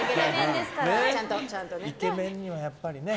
イケメンにはやっぱりね